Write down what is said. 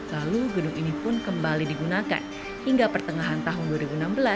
lalu gedung ini pun kembali digunakan hingga pertengahan tahun dua ribu enam belas